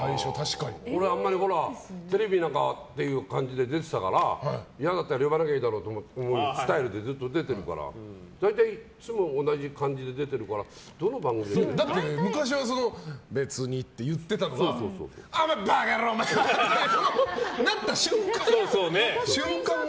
俺、テレビなんかっていう感じで出てたから嫌だったら呼ばなきゃいいだろのスタイルでずっと出ているから大体いつも同じ感じで出ているから昔は、別にって言ってたのがお前、馬鹿野郎！ってなった瞬間が。